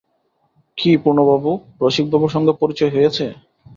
কী পূর্ণবাবু, রসিকবাবুর সঙ্গে পরিচয় হয়েছে?